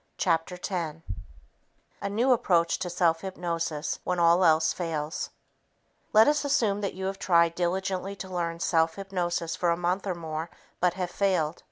Chapter 10 A New Approach to Self Hypnosis When All Else Fails Let us assume that you have tried diligently to learn self hypnosis for a month or more but have failed.